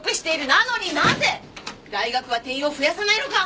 なのになぜ大学は定員を増やさないのか！